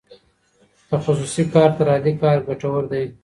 تخصصي کار تر عادي کار ګټور دی.